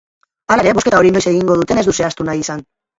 Hala ere, bozketa hori noiz egingo duten ez du zehaztu nahi izan.